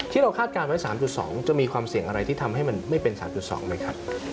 คาดการณ์ไว้๓๒จะมีความเสี่ยงอะไรที่ทำให้มันไม่เป็น๓๒ไหมครับ